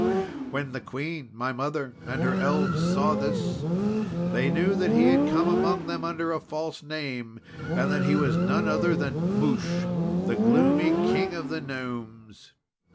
"When the Queen my mother and her Elves saw this, they knew that he had come among them under a false name, and that he was none other than Mouche, the gloomy King of the Gnomes.